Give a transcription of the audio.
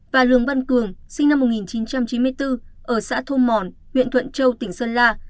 và lường văn cường sinh năm một nghìn chín trăm chín mươi bốn ở xã thu mòn huyện thuận châu tỉnh sơn la